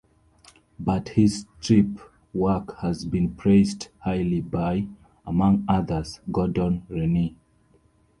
But his strip work has been praised highly by, among others, Gordon Rennie.